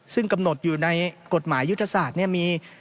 ซึ่งกำหนดอยู่ในกฎหมายยุทธศาสตร์